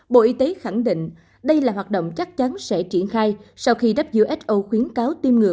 bộ y tế khẳng định đây là hoạt động chắc chắn sẽ triển khai sau khi who khuyến cáo tiêm ngừa